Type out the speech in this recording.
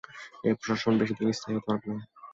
এই প্রশাসন বেশি দিন স্থায়ী হতে পারেনি।